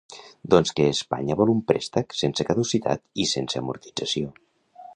Doncs que Espanya vol un préstec sense caducitat i sense amortització.